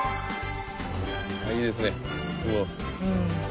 いいですね。